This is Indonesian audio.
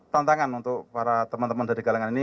tantangan untuk para teman teman dari galangan ini